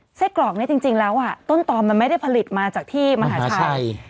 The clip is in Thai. ไส้กรอกนี้จริงแล้วต้นตอมมันไม่ได้ผลิตมาจากที่มหาชัย